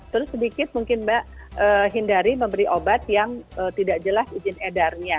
terus sedikit mungkin mbak hindari memberi obat yang tidak jelas izin edarnya